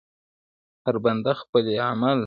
o هر بنده، خپل ئې عمل٫